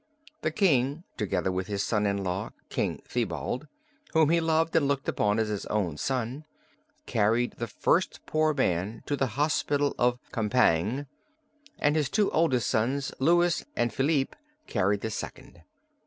The King together with his son in law King Thibault, whom he loved and looked upon as his own son, carried the first poor man to the hospital of Compiègne, and his two oldest sons, Louis and Philippe, carried the second.